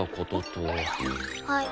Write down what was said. はい。